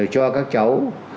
cho các cháu